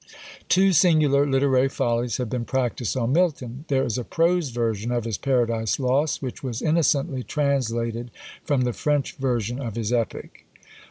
Two singular literary follies have been practised on Milton. There is a prose version of his "Paradise Lost," which was innocently translated from the French version of his epic!